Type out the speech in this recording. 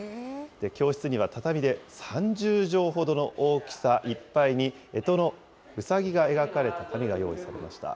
教室には畳で３０畳ほどの大きさいっぱいに、えとのうさぎが描かれた紙が用意されていました。